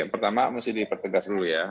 pertama mesti dipertegas dulu ya